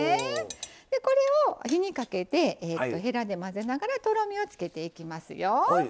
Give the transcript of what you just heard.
これを火にかけてへらで混ぜながらとろみをつけていきますよ。